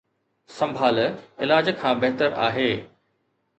سنڀال علاج کان بهتر آهي.